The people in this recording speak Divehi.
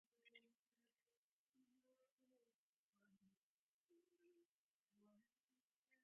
ދެން އަހަންނާއި އިމާޒާއި ދިމާވާނީ ލައްކަ ދުވަހެއް ފަހުން